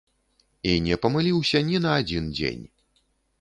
І не памыліўся ні на адзін дзень.